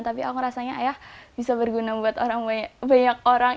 tapi aku rasanya ayah bisa berguna buat banyak orang